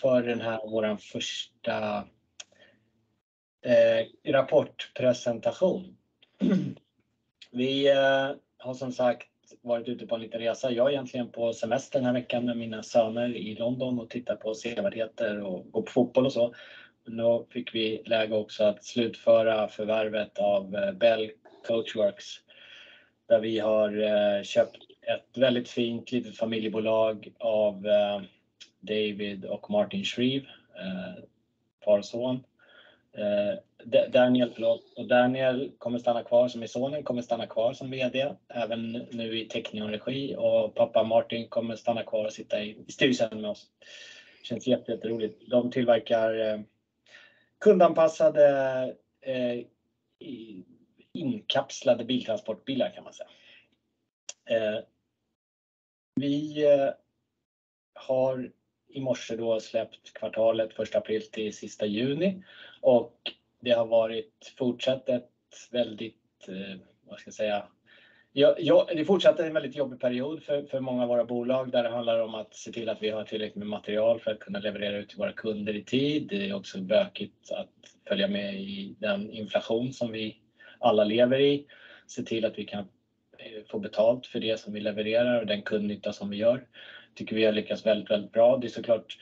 För den här våran första rapportpresentation. Vi har som sagt varit ute på en liten resa. Jag är egentligen på semester den här veckan med mina söner i London och tittar på sevärdheter och går på fotboll och så. Då fick vi läge också att slutföra förvärvet av Belle Coachworks, där vi har köpt ett väldigt fint litet familjebolag av Daniel och Martin Shreeve, far och son. Daniel, förlåt. Daniel kommer stanna kvar som VD, som är sonen, även nu i Teqnion-regi och pappa Martin kommer stanna kvar och sitta i styrelsen med oss. Känns jätteroligt. De tillverkar kundanpassade inkapslade biltransportbilar kan man säga. Vi har i morse då släppt kvartalet första april till sista juni och det har varit fortsatt ett väldigt, vad ska jag säga. Ja, det fortsatte en väldigt jobbig period för många av våra bolag, där det handlar om att se till att vi har tillräckligt med material för att kunna leverera ut till våra kunder i tid. Det är också bökigt att följa med i den inflation som vi alla lever i. Se till att vi kan få betalt för det som vi levererar och den kundnytta som vi gör. Tycker vi har lyckats väldigt bra. Det är så klart.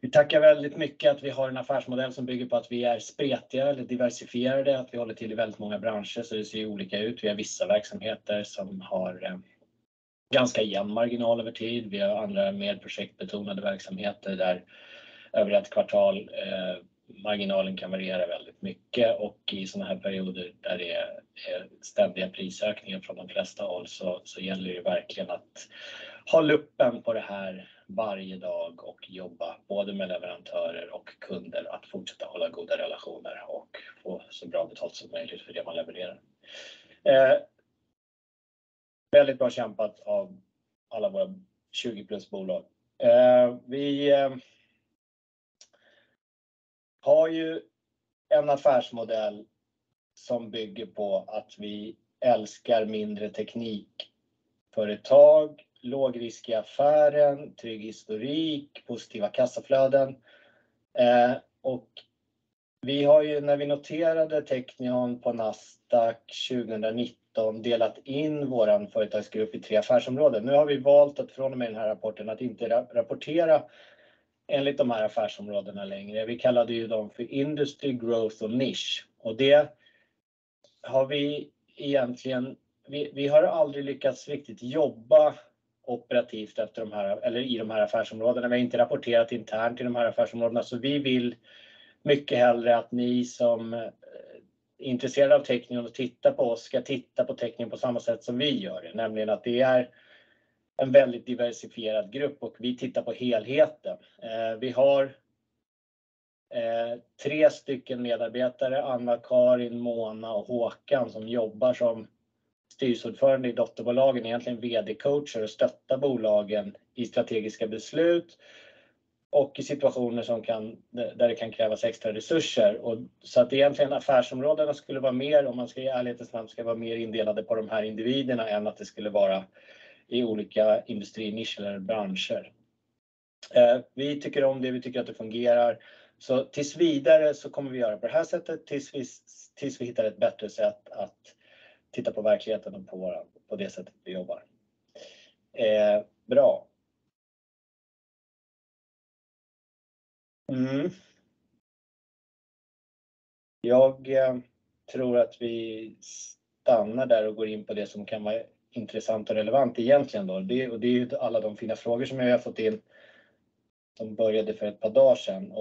Vi tackar väldigt mycket att vi har en affärsmodell som bygger på att vi är spretiga eller diversifierade, att vi håller till i väldigt många branscher så det ser olika ut. Vi har vissa verksamheter som har ganska jämn marginal över tid. Vi har andra mer projektbetonade verksamheter där över ett kvartal, marginalen kan variera väldigt mycket. I sådana här perioder där det är ständiga prisökningar från de flesta håll så gäller det verkligen att ha luppen på det här varje dag och jobba både med leverantörer och kunder att fortsätta hålla goda relationer och få så bra betalt som möjligt för det man levererar. Väldigt bra kämpat av alla våra 20 plus bolag. Vi har ju en affärsmodell som bygger på att vi älskar mindre teknikföretag, lågrisk i affären, trygg historik, positiva kassaflöden. Vi har ju när vi noterade Teqnion på Nasdaq 2019 delat in vår företagsgrupp i tre affärsområden. Nu har vi valt att från och med den här rapporten att inte rapportera enligt de här affärsområdena längre. Vi kallade ju dem för Industry, Growth och Niche. Det har vi egentligen. Vi har aldrig lyckats riktigt jobba operativt efter de här, eller i de här affärsområdena. Vi har inte rapporterat internt i de här affärsområdena, så vi vill mycket hellre att ni som är intresserade av Teqnion och tittar på oss ska titta på Teqnion på samma sätt som vi gör det. Nämligen att det är en väldigt diversifierad grupp och vi tittar på helheten. Vi har tre stycken medarbetare, Anna-Karin, Mona och Håkan, som jobbar som styrelseordförande i dotterbolagen, egentligen VD-coacher, och stöttar bolagen i strategiska beslut och i situationer som kan, där det kan krävas extra resurser. Så att egentligen affärsområdena skulle vara mer, om man ska i ärlighetens namn, ska vara mer indelade på de här individerna än att det skulle vara i olika Industry, Niche eller branscher. Vi tycker om det, vi tycker att det fungerar. Tills vidare kommer vi göra på det här sättet tills vi hittar ett bättre sätt att titta på verkligheten och på det sättet vi jobbar. Bra. Jag tror att vi stannar där och går in på det som kan vara intressant och relevant egentligen då. Det är ju alla de fina frågor som jag har fått in som började för ett par dagar sedan.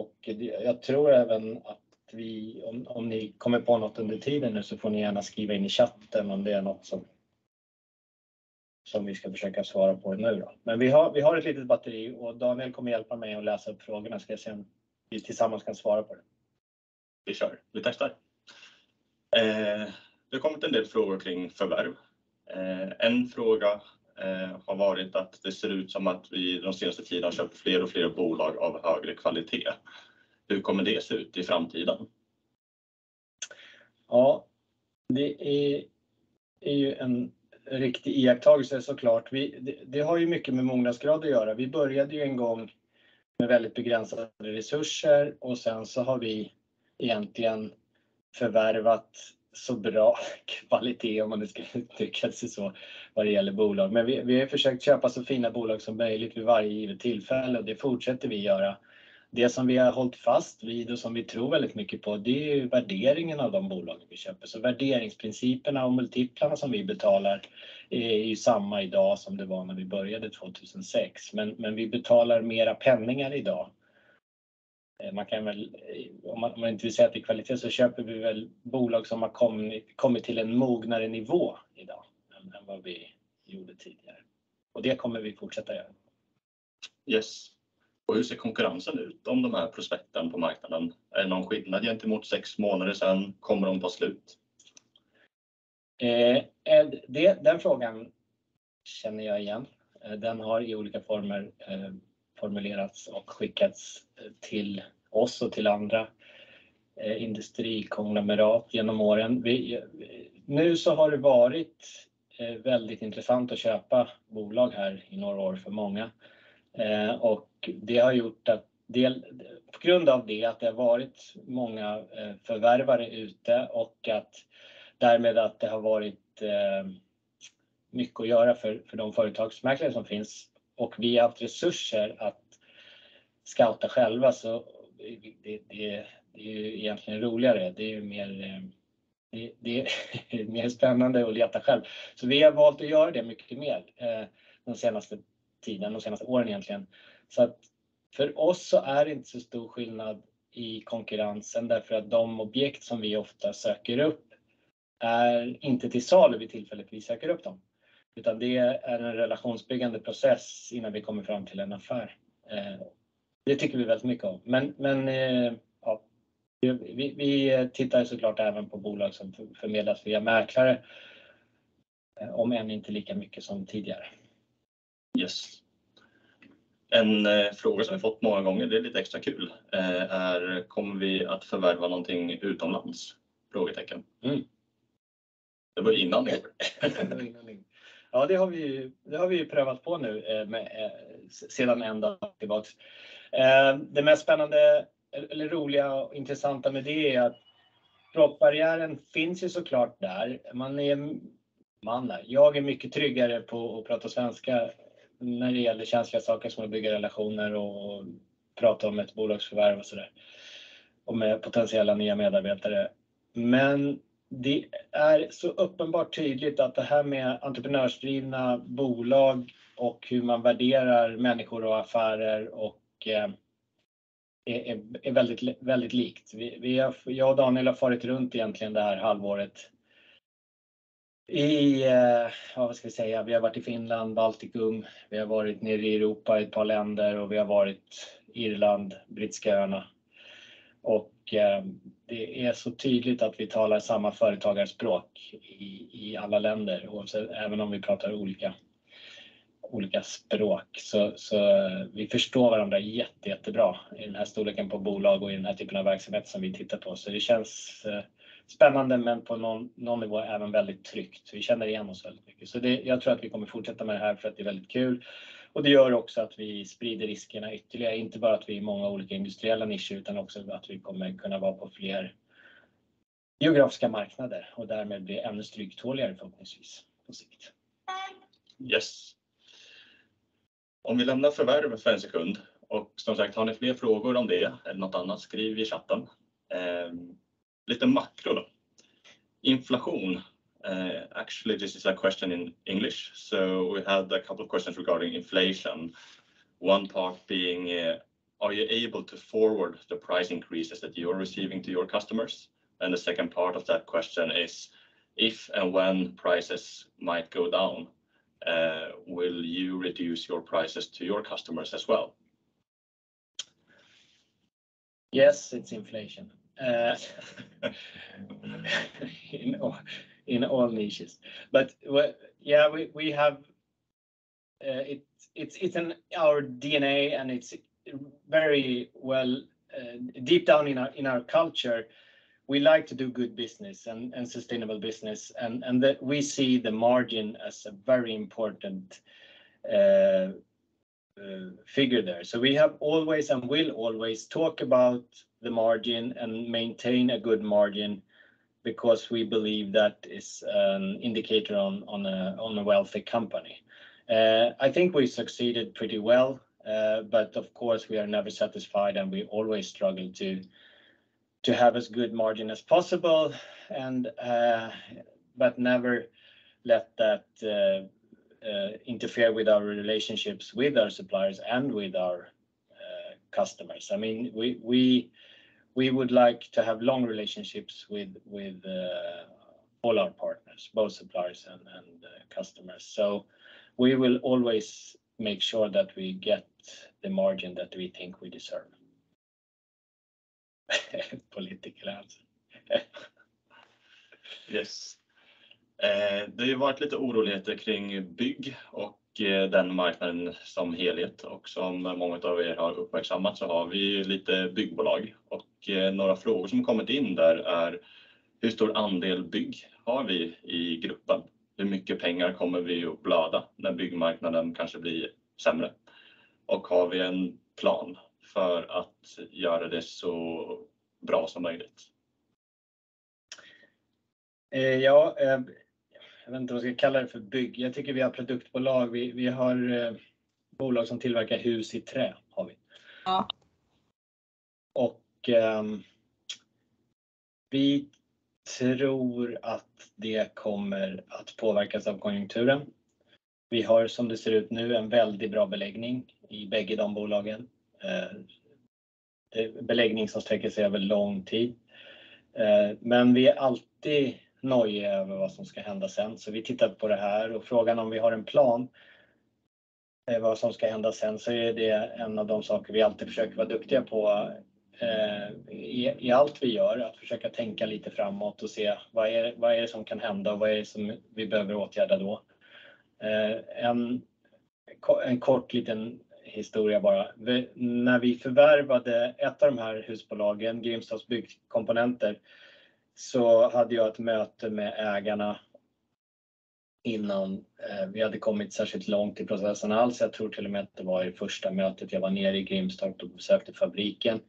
Jag tror även att vi om ni kommer på något under tiden nu så får ni gärna skriva in i chatten om det är något som vi ska försöka svara på nu då. Vi har ett litet batteri och Daniel kommer hjälpa mig att läsa upp frågorna. Ska jag se om vi tillsammans kan svara på det. Vi kör. Vi testar. Det har kommit en del frågor kring förvärv. En fråga har varit att det ser ut som att vi den senaste tiden har köpt fler och fler bolag av högre kvalitet. Hur kommer det se ut i framtiden? Ja, det är ju en riktig iakttagelse så klart. Vi, det har ju mycket med mognadsgrad att göra. Vi började ju en gång med väldigt begränsade resurser och sen så har vi egentligen förvärvat så bra kvalitet, om man nu ska uttrycka sig så, vad det gäller bolag. Men vi har ju försökt köpa så fina bolag som möjligt vid varje givet tillfälle och det fortsätter vi att göra. Det som vi har hållit fast vid och som vi tror väldigt mycket på, det är ju värderingen av de bolagen vi köper. Så värderingsprinciperna och multiplarna som vi betalar är ju samma i dag som det var när vi började 2006. Men vi betalar mera penningar i dag. Man kan väl, om man inte vill säga att det är kvalitet, så köper vi väl bolag som har kommit till en mognare nivå i dag än vad vi gjorde tidigare. Det kommer vi fortsätta göra. Yes. Och hur ser konkurrensen ut om de här prospekten på marknaden? Är det någon skillnad gentemot 6 månader sedan? Kommer de ta slut? Den frågan känner jag igen. Den har i olika former formulerats och skickats till oss och till andra industrikonglomerat genom åren. Nu har det varit väldigt intressant att köpa bolag här i några år för många. Det har gjort att på grund av det att det har varit många förvärvare ute och att därmed att det har varit mycket att göra för de företagsmäklare som finns. Vi har haft resurser att scouta själva. Det är ju egentligen roligare. Det är ju mer spännande att leta själv. Vi har valt att göra det mycket mer den senaste tiden, de senaste åren egentligen. För oss så är det inte så stor skillnad i konkurrensen därför att de objekt som vi ofta söker upp är inte till salu vid tillfället vi söker upp dem. Det är en relationsbyggande process innan vi kommer fram till en affär. Det tycker vi väldigt mycket om. Ja, vi tittar så klart även på bolag som förmedlas via mäklare. Om än inte lika mycket som tidigare. Yes. En fråga som vi fått många gånger, det är lite extra kul, är kommer vi att förvärva någonting utomlands? Frågetecken. Mm. Det var inandning. Ja, det har vi ju prövat på nu med sedan en dag tillbaka. Det mest spännande eller roliga och intressanta med det är att språkbarriären finns ju så klart där. Man är man där. Jag är mycket tryggare på att prata svenska när det gäller känsliga saker som att bygga relationer och prata om ett bolagsförvärv och sådär och med potentiella nya medarbetare. Men det är så uppenbart tydligt att det här med entreprenörsdrivna bolag och hur man värderar människor och affärer och är väldigt likt. Vi, jag och Daniel har farit runt egentligen det här halvåret. Vad ska vi säga? Vi har varit i Finland, Baltikum. Vi har varit nere i Europa i ett par länder och vi har varit Irland, Brittiska öarna. Det är så tydligt att vi talar samma företagarspråk i alla länder, oavsett även om vi pratar olika språk. Vi förstår varandra jättebra i den här storleken på bolag och i den här typen av verksamhet som vi tittar på. Det känns spännande men på någon nivå även väldigt tryggt. Vi känner igen oss väldigt mycket. Jag tror att vi kommer att fortsätta med det här för att det är väldigt kul. Det gör också att vi sprider riskerna ytterligare. Inte bara att vi är många olika industriella nischer, utan också att vi kommer kunna vara på fler geografiska marknader och därmed bli ännu tryggare och tåligare förhoppningsvis på sikt. Yes. Om vi lämnar förvärven för en sekund och som sagt, har ni fler frågor om det eller något annat, skriv i chatten. Lite makro då. Inflation. Actually, this is a question in English. We had a couple of questions regarding inflation. One part being, are you able to forward the price increases that you are receiving to your customers? And the second part of that question is if and when prices might go down, will you reduce your prices to your customers as well? Yes, it's inflation. In all niches. Yeah, we have, it's in our DNA and it's very well deep down in our culture. We like to do good business and sustainable business and that we see the margin as a very important figure there. We have always and will always talk about the margin and maintain a good margin because we believe that is an indicator on a wealthy company. I think we succeeded pretty well, but of course, we are never satisfied and we always struggle to have as good margin as possible, but never let that interfere with our relationships with our suppliers and with our customers. I mean, we would like to have long relationships with all our partners, both suppliers and customers. We will always make sure that we get the margin that we think we deserve. Political answer. Yes. Det har ju varit lite oroligheter kring bygg och den marknaden som helhet. Som många utav er har uppmärksammat så har vi ju lite byggbolag. Några frågor som kommit in där är hur stor andel bygg har vi i gruppen? Hur mycket pengar kommer vi att blöda när byggmarknaden kanske blir sämre? Har vi en plan för att göra det så bra som möjligt? Ja, jag vet inte vad jag ska kalla det för bygg. Jag tycker vi har produktbolag. Vi har bolag som tillverkar hus i trä, har vi. Ja. Vi tror att det kommer att påverkas av konjunkturen. Vi har, som det ser ut nu, en väldigt bra beläggning i bägge de bolagen. Beläggning som sträcker sig över lång tid. Men vi är alltid nojiga över vad som ska hända sen. Vi tittar på det här och frågan om vi har en plan vad som ska hända sen, så är det en av de saker vi alltid försöker vara duktiga på, i allt vi gör. Att försöka tänka lite framåt och se vad är det som kan hända och vad är det som vi behöver åtgärda då. En kort liten historia bara. När vi förvärvade ett av de här husbolagen, Grimstorps Byggkomponenter, så hade jag ett möte med ägarna innan vi hade kommit särskilt långt i processen alls. Jag tror till och med att det var i första mötet. Jag var nere i Grimstorp och besökte fabriken.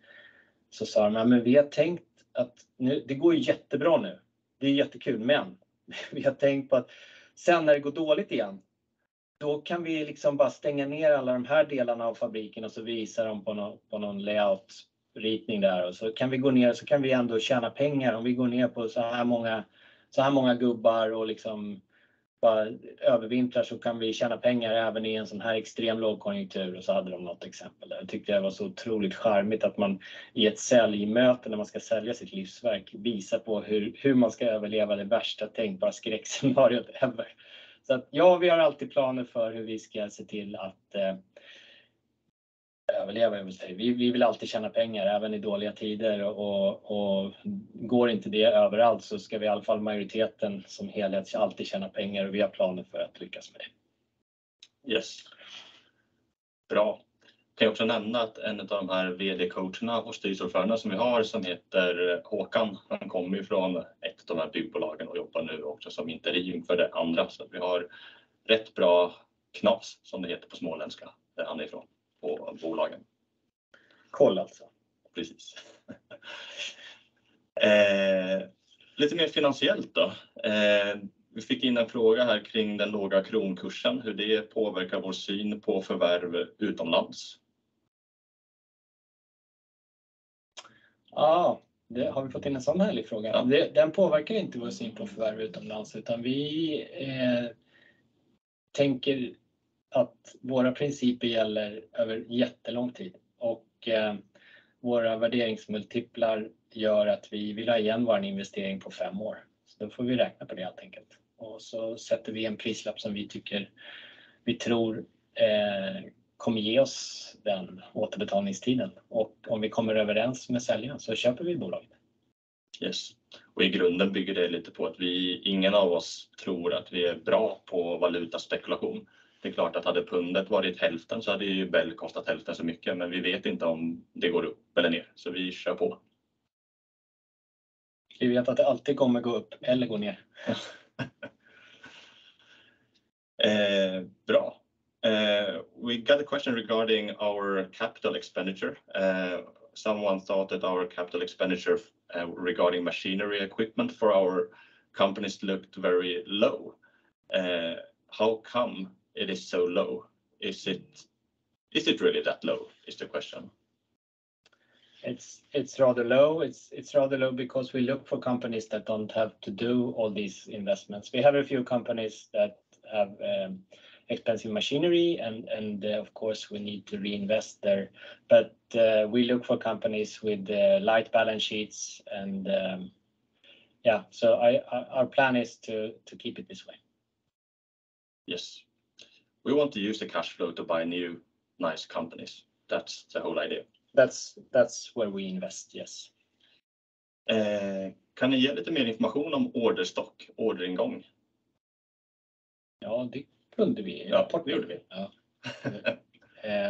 Sa de, ja men vi har tänkt att nu, det går ju jättebra nu. Det är jättekul, men vi har tänkt på att sen när det går dåligt igen, då kan vi liksom bara stänga ner alla de här delarna av fabriken och så visar de på någon layoutritning där. Kan vi gå ner, så kan vi ändå tjäna pengar. Om vi går ner på såhär många, såhär många gubbar och liksom bara övervintrar så kan vi tjäna pengar även i en sådan här extrem lågkonjunktur och så hade de något exempel. Jag tyckte det var så otroligt charmigt att man i ett säljmöte när man ska sälja sitt livsverk visar på hur man ska överleva det värsta tänkbara skräckscenariot ever. Att ja, vi har alltid planer för hur vi ska se till att överleva över sig. Vi vill alltid tjäna pengar, även i dåliga tider. Går inte det överallt så ska vi i alla fall majoriteten som helhet alltid tjäna pengar och vi har planer för att lyckas med det. Yes. Bra. Kan jag också nämna att en av de här VD-coacherna och styrelseordförande som vi har som heter Håkan. Han kommer ju från ett av de här byggbolagen och jobbar nu också som interim för det andra. Så vi har rätt bra knas som det heter på småländska, där han är ifrån, på bolagen. Kolla alltså. Precis. Lite mer finansiellt då. Vi fick in en fråga här kring den låga kronkursen, hur det påverkar vår syn på förvärv utomlands. Ja, det har vi fått in en sådan härlig fråga. Den påverkar inte vår syn på förvärv utomlands, utan vi tänker att våra principer gäller över jättelång tid och våra värderingsmultiplar gör att vi vill ha igen vår investering på fem år. Då får vi räkna på det helt enkelt. Sätter vi en prislapp som vi tycker vi tror kommer ge oss den återbetalningstiden. Om vi kommer överens med säljaren så köper vi bolagen. Yes, och i grunden bygger det lite på att vi, ingen av oss tror att vi är bra på valutaspekulation. Det är klart att hade pundet varit hälften så hade ju Belle kostat hälften så mycket, men vi vet inte om det går upp eller ner. Så vi kör på. Vi vet att det alltid kommer gå upp eller gå ner. We got a question regarding our capital expenditure. Someone thought that our capital expenditure regarding machinery equipment for our companies looked very low. How come it is so low? Is it really that low is the question. It's rather low because we look for companies that don't have to do all these investments. We have a few companies that have expensive machinery and of course, we need to reinvest there. We look for companies with light balance sheets and yeah, so our plan is to keep it this way. Yes, we want to use the cash flow to buy new niche companies. That's the whole idea. That's where we invest, yes. Kan ni ge lite mer information om orderstock, orderingång? Ja, det kunde vi. Ja, det gjorde vi.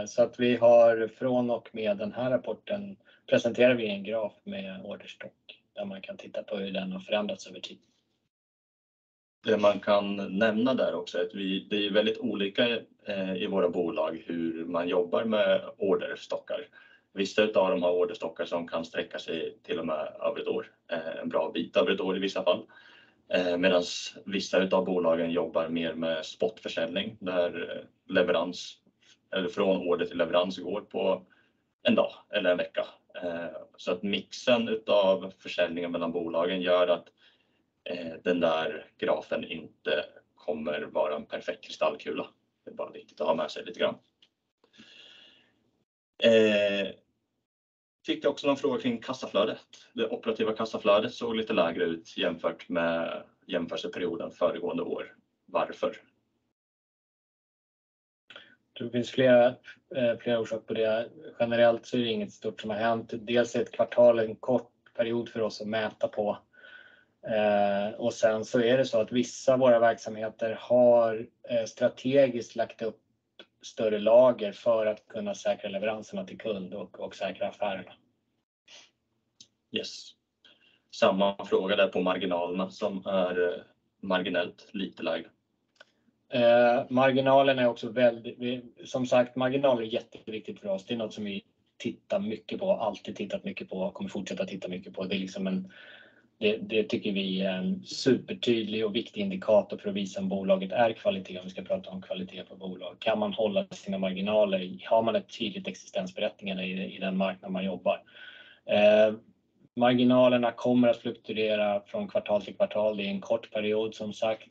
Så att vi har från och med den här rapporten presenterar vi en graf med orderstock där man kan titta på hur den har förändrats över tid. Det man kan nämna där också är att vi, det är väldigt olika i våra bolag hur man jobbar med orderstockar. Vissa utav dem har orderstockar som kan sträcka sig till och med över ett år, en bra bit över ett år i vissa fall. Medans vissa av bolagen jobbar mer med spotförsäljning, där leverans eller från order till leverans går på en dag eller en vecka. Så att mixen av försäljningen mellan bolagen gör att den där grafen inte kommer vara en perfekt kristallkula. Det är bara viktigt att ha med sig lite grann. Fick jag också någon fråga kring kassaflödet. Det operativa kassaflödet såg lite lägre ut jämfört med jämförelseperioden föregående år. Varför? Tror det finns flera orsaker på det. Generellt så är det inget stort som har hänt. Dels är ett kvartal en kort period för oss att mäta på. Och sen så är det så att vissa av våra verksamheter har strategiskt lagt upp större lager för att kunna säkra leveranserna till kunden och säkra affärerna. Yes. Samma fråga där på marginalerna som är marginellt lite lägre. Marginalen är också väldigt, som sagt, marginal är jätteviktigt för oss. Det är något som vi tittar mycket på, alltid tittat mycket på, kommer fortsätta titta mycket på. Det tycker vi är en supertydlig och viktig indikator för att visa om bolaget är kvalitet, om vi ska prata om kvaliteter på bolag. Kan man hålla sina marginaler? Har man ett tydligt existensberättigande i den marknad man jobbar? Marginalerna kommer att fluktuera från kvartal till kvartal. Det är en kort period som sagt.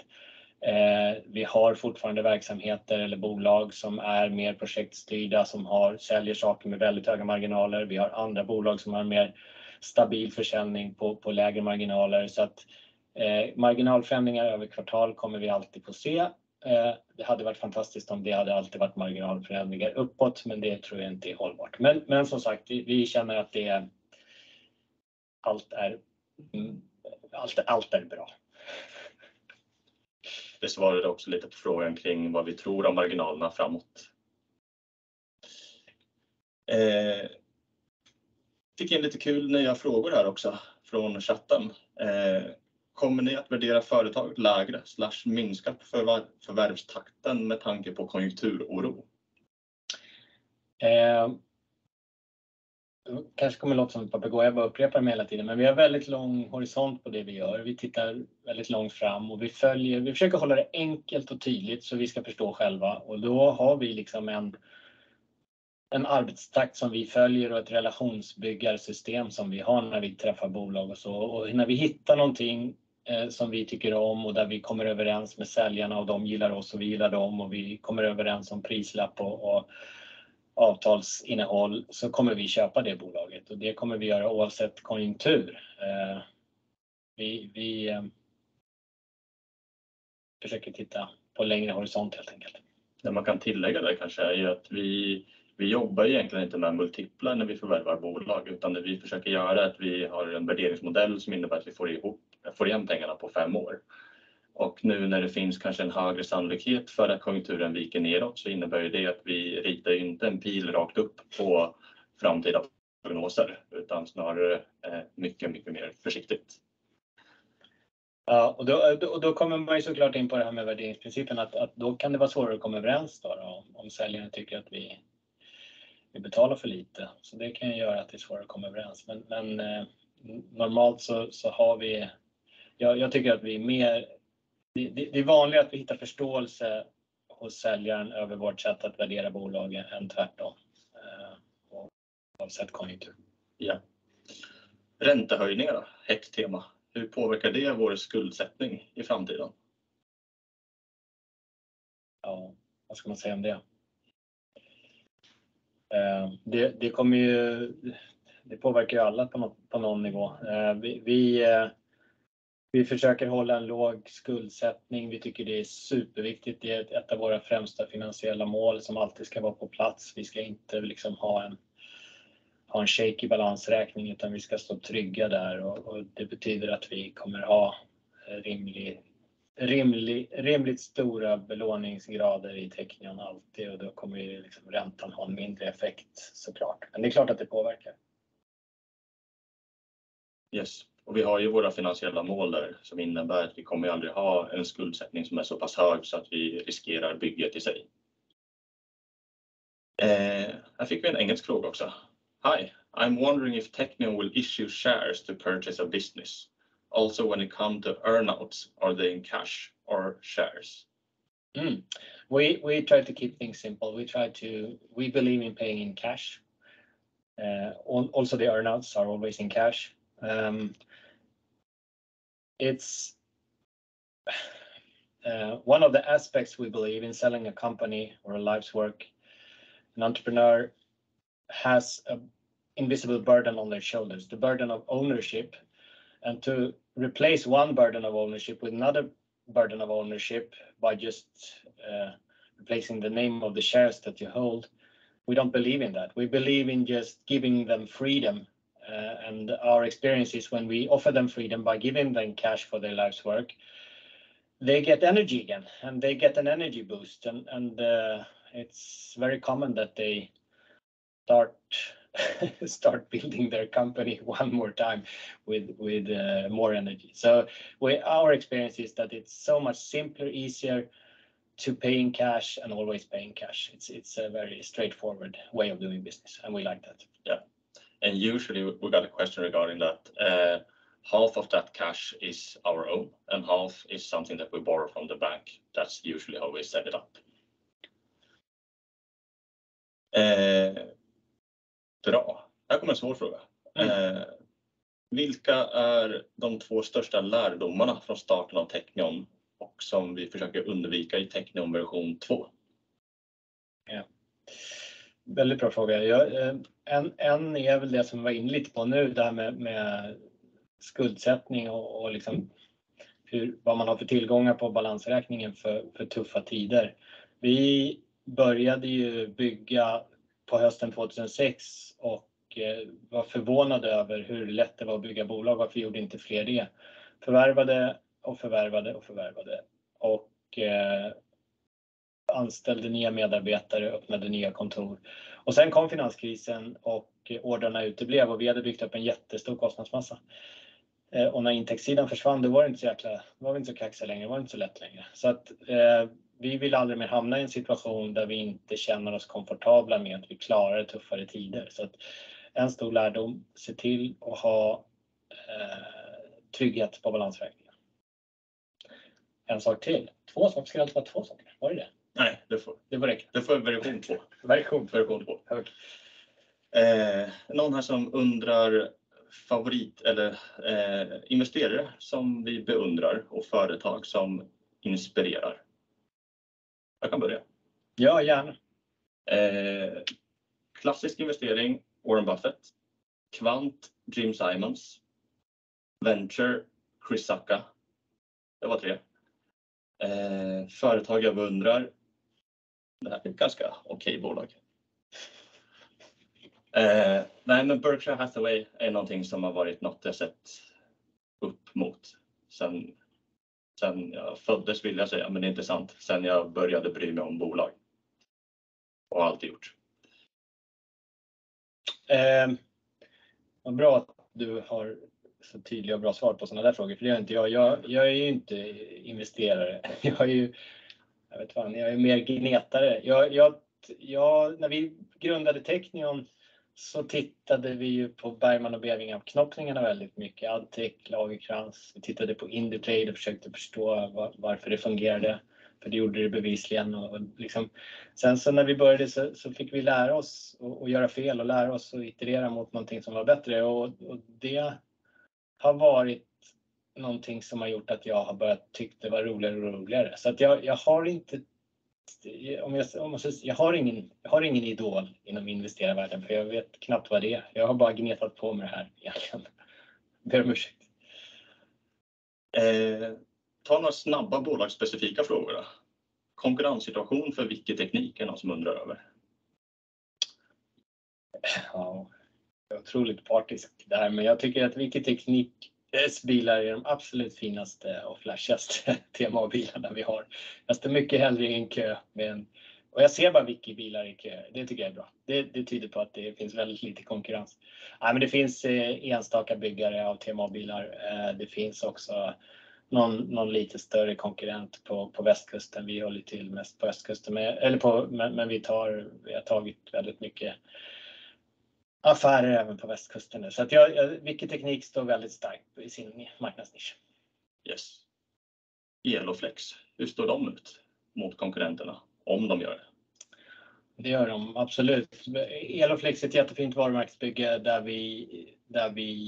Vi har fortfarande verksamheter eller bolag som är mer projektstyrda, som har, säljer saker med väldigt höga marginaler. Vi har andra bolag som har mer stabil försäljning på lägre marginaler. Så att marginalförändringar över kvartal kommer vi alltid att få se. Det hade varit fantastiskt om det hade alltid varit marginalförändringar uppåt, men det tror jag inte är hållbart. Som sagt, vi känner att allt är bra. Det svarar också lite på frågan kring vad vi tror om marginalerna framåt. Fick in lite kul nya frågor här också från chatten. Kommer ni att värdera företaget lägre slash minska förvärvstakten med tanke på konjunkturoro? Kanske kommer låta som ett papegoja bara upprepar mig hela tiden, men vi har väldigt lång horisont på det vi gör. Vi tittar väldigt långt fram och vi följer, vi försöker hålla det enkelt och tydligt så vi ska förstå själva. Då har vi liksom en arbetstakt som vi följer och ett relationsbyggarsystem som vi har när vi träffar bolag och så. När vi hittar någonting som vi tycker om och där vi kommer överens med säljarna och de gillar oss och vi gillar dem och vi kommer överens om prislapp och avtalsinnehåll, så kommer vi köpa det bolaget. Det kommer vi göra oavsett konjunktur. Vi försöker titta på längre horisont helt enkelt. Det man kan tillägga där kanske är ju att vi vi jobbar egentligen inte med multiplar när vi förvärvar bolag, utan det vi försöker göra är att vi har en värderingsmodell som innebär att vi får ihop, får igen pengarna på 5 år. Nu när det finns kanske en högre sannolikhet för att konjunkturen viker nedåt så innebär ju det att vi ritar inte en pil rakt upp på framtida prognoser, utan snarare, mycket mer försiktigt. Ja, då kommer man ju så klart in på det här med värderingsprincipen att då kan det vara svårare att komma överens då om säljaren tycker att vi betalar för lite. Det kan ju göra att det är svårare att komma överens. Men normalt så har vi, jag tycker att vi är mer. Det är vanligare att vi hittar förståelse hos säljaren över vårt sätt att värdera bolagen än tvärtom, oavsett konjunktur. Ja. Räntehöjningar då, hett tema. Hur påverkar det vår skuldsättning i framtiden? Ja, vad ska man säga om det? Det kommer ju, det påverkar ju alla på någon nivå. Vi försöker hålla en låg skuldsättning. Vi tycker det är superviktigt. Det är ett av våra främsta finansiella mål som alltid ska vara på plats. Vi ska inte ha en shaky balansräkning, utan vi ska stå trygga där. Det betyder att vi kommer ha rimligt stora belåningsgrader i Teqnion alltid och då kommer ju räntan ha en mindre effekt så klart. Det är klart att det påverkar. Vi har ju våra finansiella mål där som innebär att vi kommer aldrig ha en skuldsättning som är så pass hög så att vi riskerar bygget i sig. Här fick vi en engelsk fråga också. Hi, I'm wondering if Teqnion will issue shares to purchase a business. Also when it comes to earnouts, are they in cash or shares? We try to keep things simple. We believe in paying in cash. Also the earnouts are always in cash. One of the aspects we believe in selling a company or a life's work, an entrepreneur has an invisible burden on their shoulders, the burden of ownership. To replace one burden of ownership with another burden of ownership by just replacing the name of the shares that you hold, we don't believe in that. We believe in just giving them freedom. Our experience is when we offer them freedom by giving them cash for their life's work, they get energy again, and they get an energy boost, and it's very common that they start building their company one more time with more energy. Our experience is that it's so much simpler, easier to pay in cash and always pay in cash. It's a very straightforward way of doing business, and we like that. Yeah. Usually, we got a question regarding that, half of that cash is our own, and half is something that we borrow from the bank. That's usually how we set it up. Bra. Här kommer en svår fråga. Vilka är de två största lärdomarna från starten av Teqnion och som vi försöker undvika i Teqnion version två? Ja. Väldigt bra fråga. Jag är väl det som vi var inne lite på nu, det här med skuldsättning och liksom hur, vad man har för tillgångar på balansräkningen för tuffa tider. Vi började ju bygga på hösten 2006 och var förvånade över hur lätt det var att bygga bolag. Varför gjorde inte fler det? Förvärvade och förvärvade och förvärvade. Anställde nya medarbetare, öppnade nya kontor. Sen kom finanskrisen och ordrarna uteblev och vi hade byggt upp en jättestor kostnadsmassa. När intäktssidan försvann, då var det inte så jäkla, då var vi inte så kaxiga längre, det var inte så lätt längre. Vi vill aldrig mer hamna i en situation där vi inte känner oss komfortabla med att vi klarar tuffare tider. En stor lärdom: se till att ha trygghet på balansräkningen. En sak till. Två saker, ska det vara två saker. Var det det? Nej, det får. Det får räcka. Du får version 2. Version 2. Version 2. Någon här som undrar favorit eller, investerare som vi beundrar och företag som inspirerar. Jag kan börja. Ja, gärna. Klassisk investering, Warren Buffett. Kvant, Jim Simons. Venture, Chris Sacca. Det var tre. Företag jag beundrar. Det här är ett ganska okej bolag. Nej men Berkshire Hathaway är någonting som har varit något jag sett upp mot sen jag föddes vill jag säga, men det är inte sant. Sen jag började bry mig om bolag och har alltid gjort. Vad bra att du har så tydliga och bra svar på sådana där frågor, för jag är inte investerare. Jag är ju inte investerare. Jag vet fan, jag är mer gnetare. När vi grundade Teqnion så tittade vi ju på Bergman & Beving-avknoppningarna väldigt mycket. Addtech, Lagercrantz. Vi tittade på Indutrade och försökte förstå varför det fungerade. Det gjorde det bevisligen. Liksom, sen när vi började fick vi lära oss och göra fel och lära oss och iterera mot någonting som var bättre. Det har varit någonting som har gjort att jag har börjat tyckt det var roligare och roligare. Jag har inte, om man så, jag har ingen idol inom investerarvärlden för jag vet knappt vad det är. Jag har bara gnetat på med det här egentligen. Ber om ursäkt. Ta några snabba bolagsspecifika frågor då. Konkurrenssituation för Vicky Teknik är det någon som undrar över. Ja, jag är otroligt partisk där, men jag tycker att Vicky Tekniks bilar är de absolut finaste och flashigaste TMA-bilarna vi har. Jag står mycket hellre i en kö. Jag ser bara Vicky-bilar i kö. Det tycker jag är bra. Det tyder på att det finns väldigt lite konkurrens. Nej, men det finns enstaka byggare av TMA-bilar. Det finns också någon lite större konkurrent på västkusten. Vi håller till mest på östkusten, men vi har tagit väldigt mycket affärer även på västkusten nu. Så att Vicky Teknik står väldigt starkt i sin marknadsnisch. Yes. Eloflex. Hur står de ut mot konkurrenterna? Om de gör det. Det gör de absolut. Eloflex är ett jättefint varumärkesbygge där vi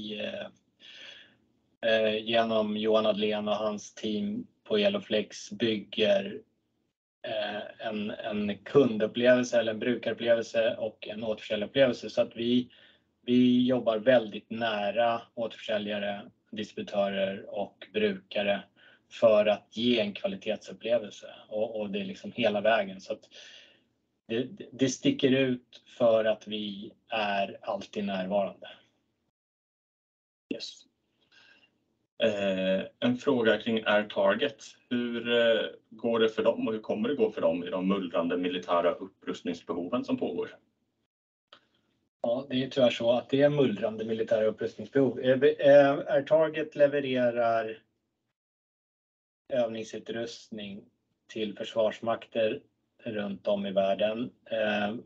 genom Johan Adlén och hans team på Eloflex bygger en kundupplevelse eller en brukarupplevelse och en återförsäljarupplevelse. Vi jobbar väldigt nära återförsäljare, distributörer och brukare för att ge en kvalitetsupplevelse. Det liksom hela vägen. Det sticker ut för att vi är alltid närvarande. Yes. En fråga kring AirTarget. Hur går det för dem och hur kommer det gå för dem i de mullrande militära upprustningsbehoven som pågår? Ja, det är tyvärr så att det är mullrande militära upprustningsbehov. AirTarget levererar övningsutrustning till försvarsmakter runt om i världen.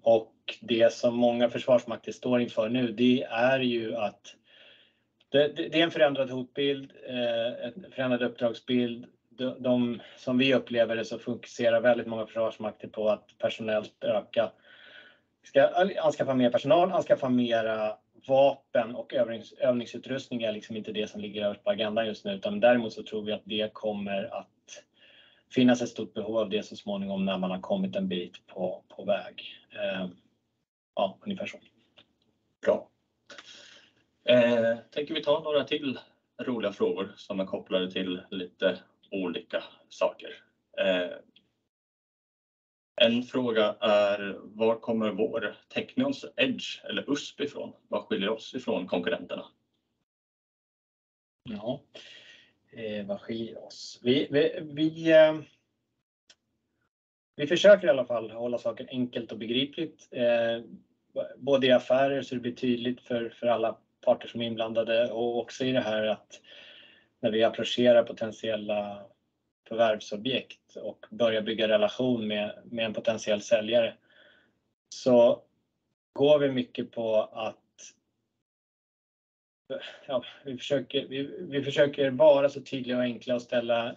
Och det som många försvarsmakter står inför nu, det är ju att det är en förändrad hotbild, en förändrad uppdragsbild. De som vi upplever det så fokuserar väldigt många försvarsmakter på att personellt öka, anskaffa mer personal, anskaffa mera vapen och övningsutrustning är liksom inte det som ligger högst på agendan just nu. Däremot så tror vi att det kommer att finnas ett stort behov av det så småningom när man har kommit en bit på väg. Ja, ungefär så. Bra. Tänker vi tar några till roliga frågor som är kopplade till lite olika saker. En fråga är: Var kommer vår Teqnions edge eller USP ifrån? Vad skiljer oss ifrån konkurrenterna? Vad skiljer oss? Vi försöker i alla fall hålla saken enkelt och begripligt. Både i affärer så det blir tydligt för alla parter som är inblandade och också i det här att när vi approachar potentiella förvärvsobjekt och börjar bygga relation med en potentiell säljare, så går vi mycket på att vi försöker vara så tydliga och enkla och ställa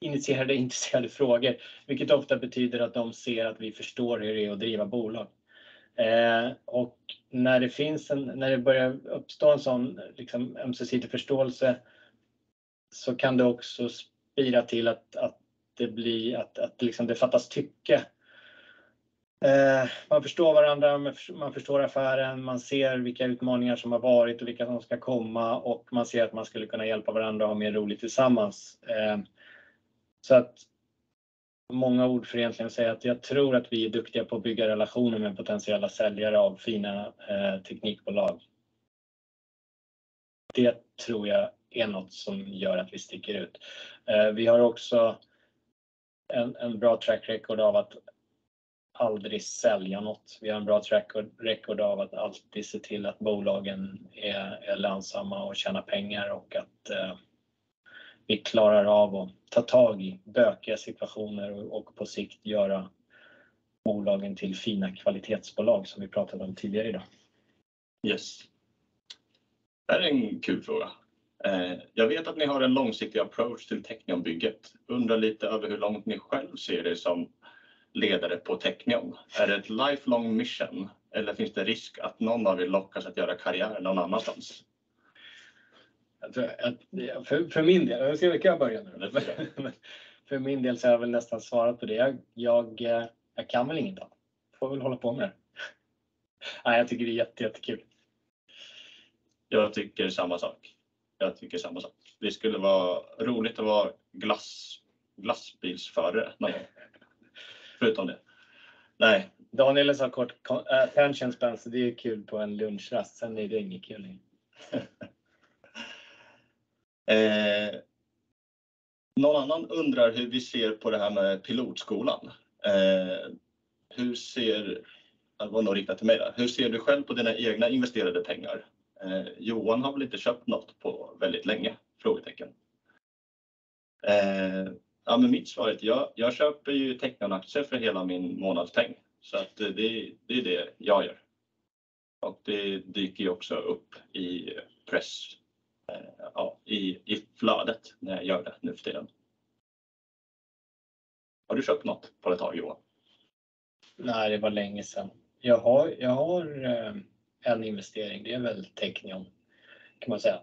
initierade intresserade frågor, vilket ofta betyder att de ser att vi förstår hur det är att driva bolag. Och när det börjar uppstå en sån, liksom, ömsesidig förståelse, så kan det också spira till att det blir de fattar tycke. Man förstår varandra, man förstår affären, man ser vilka utmaningar som har varit och vilka som ska komma och man ser att man skulle kunna hjälpa varandra och ha mer roligt tillsammans. Så att många ord för egentligen att säga att jag tror att vi är duktiga på att bygga relationer med potentiella säljare av fina teknikbolag. Det tror jag är något som gör att vi sticker ut. Vi har också en bra track record av att aldrig sälja något. Vi har en bra track record av att alltid se till att bolagen är lönsamma och tjänar pengar och att vi klarar av att ta tag i bökiga situationer och på sikt göra bolagen till fina kvalitetsbolag som vi pratade om tidigare i dag. Yes. Det här är en kul fråga. Jag vet att ni har en långsiktig approach till Teqnionbygget. Undrar lite över hur långt ni själv ser er som ledare på Teqnion. Är det ett lifelong mission eller finns det risk att någon av er lockas att göra karriär någon annanstans? Jag tror för min del jag ser jag kan börja nu. För min del så har jag väl nästan svarat på det. Jag kan väl ingenting annat. Får väl hålla på med det. Nej, jag tycker det är jätttekul. Jag tycker samma sak. Det skulle vara roligt att vara glassbilsförare någon gång. Förutom det. Nej Daniel sa kort, attention span, så det är kul på en lunchrast. Det är inget kul i. Någon annan undrar hur vi ser på det här med pilotskolan. Ja det var nog riktat till mig där. Hur ser du själv på dina egna investerade pengar? Johan har väl inte köpt något på väldigt länge, frågetecken. Ja men mitt svar är att jag köper ju Teqnion-aktier för hela min månadslön. Att det är det jag gör. Det dyker ju också upp i pressen i flödet när jag gör det nuförtiden. Har du köpt något på ett tag, Johan? Nej, det var länge sedan. Jag har en investering, det är väl Teqnion kan man säga.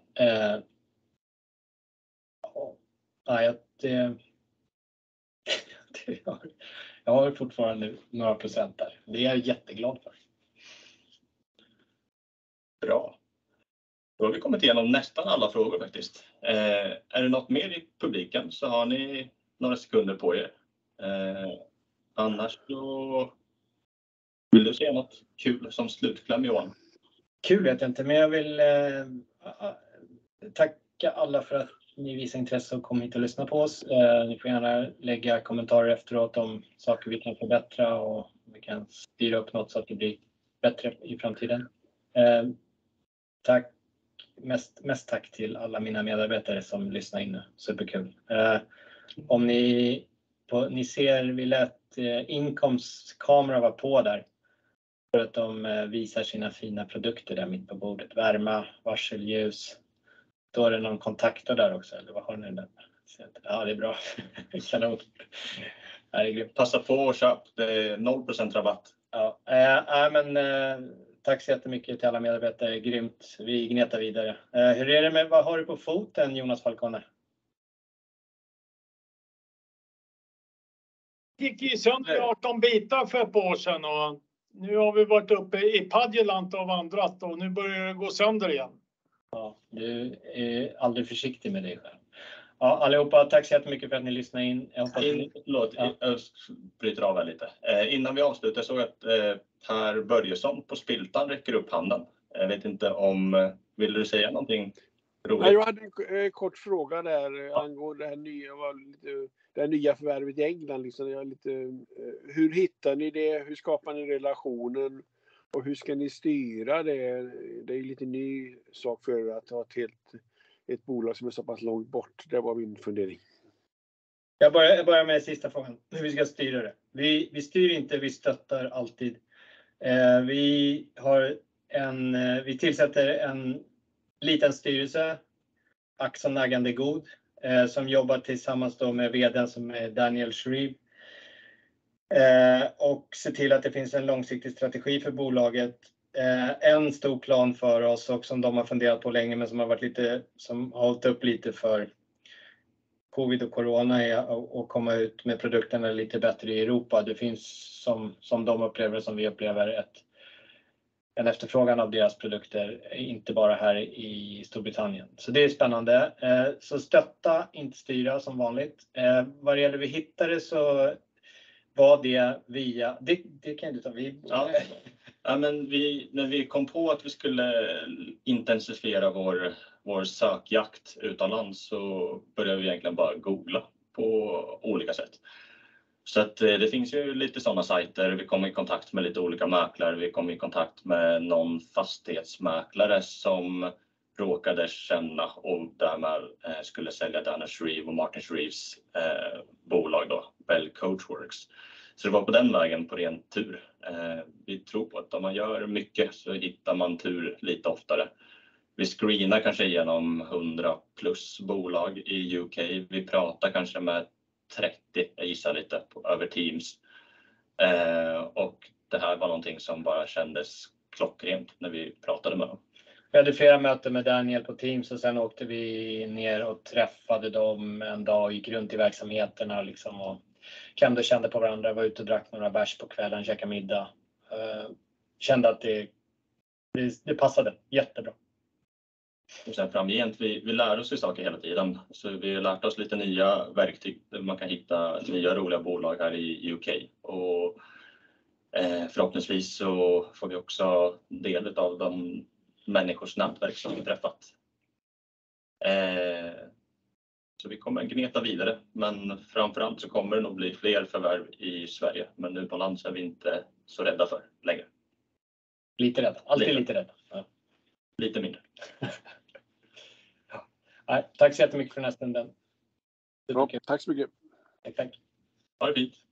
Jag har fortfarande några procent där. Det är jag jätteglad för. Bra. Då har vi kommit igenom nästan alla frågor faktiskt. Är det något mer i publiken så har ni några sekunder på er. Annars då vill du säga något kul som slutkläm, Johan? Kul vet jag inte, jag vill tacka alla för att ni visar intresse och kom hit och lyssna på oss. Ni får gärna lägga kommentarer efteråt om saker vi kan förbättra och vi kan styra upp något så att det blir bättre i framtiden. Tack, mest tack till alla mina medarbetare som lyssnar in nu. Superkul. Om ni ser vi lät webbkamera vara på där för att de visar sina fina produkter där mitt på bordet. Värma, varselljus. Då är det någon kontaktor där också, eller vad har ni där? Ja, det är bra. Kanon. Det är grymt. Passa på och köp, det är 0% rabatt. Ja, nej men tack så jättemycket till alla medarbetare. Grymt, vi gnetar vidare. Hur är det med, vad har du på foten, Jonas Falcone? Gick i sönder i 18 bitar för ett par år sedan och nu har vi varit uppe i Padjelanta och vandrat och nu börjar det gå sönder igen. Ja, du är aldrig försiktig med dig själv. Ja, allihopa, tack så jättemycket för att ni lyssnade in. Jag hoppas. Förlåt, jag bryter av här lite. Innan vi avslutar såg jag att Per Börjesson på Spiltan räcker upp handen. Jag vet inte om, ville du säga någonting roligt? Jag hade en kort fråga där angående det här nya förvärvet i England. Liksom jag är lite, hur hittar ni det? Hur skapar ni relationen? Och hur ska ni styra det? Det är lite ny sak för er att ha ett helt bolag som är så pass långt bort. Det var min fundering. Jag börjar med sista frågan, hur vi ska styra det. Vi styr inte, vi stöttar alltid. Vi tillsätter en liten styrelse. Axan Agande God, som jobbar tillsammans då med vd:n som är Daniel Shreeve. Och ser till att det finns en långsiktig strategi för bolaget. En stor plan för oss och som de har funderat på länge, men som har varit lite, som har halt upp lite för covid och corona är att komma ut med produkterna lite bättre i Europa. Det finns, som de upplever det, som vi upplever en efterfrågan av deras produkter, inte bara här i Storbritannien. Så det är spännande. Så stötta, inte styra som vanligt. Vad det gäller vi hittade så var det via. Det kan du ta vid. när vi kom på att vi skulle intensifiera vår sökjakt utomlands så började vi egentligen bara googla på olika sätt. att det finns lite sådana sajter. Vi kom i kontakt med lite olika mäklare. Vi kom i kontakt med någon fastighetsmäklare som råkade känna och därmed skulle sälja Daniel Shreeve och Martin Shreeves bolag då, Belle Coachworks. det var på den vägen på ren tur. vi tror på att om man gör mycket så hittar man tur lite oftare. Vi screenar kanske igenom 100+ bolag i UK. Vi pratar kanske med 30, jag gissar lite, över Teams. och det här var någonting som bara kändes klockrent när vi pratade med dem. Vi hade flera möten med Daniel på Teams och sen åkte vi ner och träffade dem en dag, gick runt i verksamheterna liksom och kände på varandra, var ute och drack några bärs på kvällen, käka middag. kände att det passade jättebra. Sen framgent, vi lär oss ju saker hela tiden. Vi har lärt oss lite nya verktyg där man kan hitta nya roliga bolag här i U.K. Förhoppningsvis så får vi också del utav de människors nätverk som vi träffat. Vi kommer gneta vidare, men framför allt så kommer det nog bli fler förvärv i Sverige. Utomlands är vi inte så rädda för längre. Lite rädda, alltid lite rädda. Lite mindre. Ja. Nej, tack så jättemycket för den här stunden. Okej, tack så mycket. Thank you. Ha det fint.